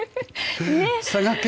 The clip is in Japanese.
佐賀県